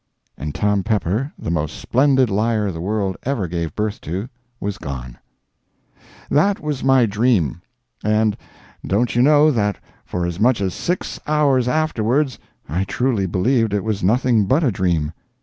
And Tom Pepper, the most splendid liar the world ever gave birth to, was gone! That was my dream. And don't you know that for as much as six hours afterwards I fully believed it was nothing but a dream?